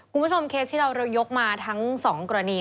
คุณผู้ชมเคสที่เรายกมาทั้ง๒กรณี